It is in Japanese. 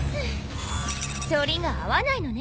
反りが合わないのね。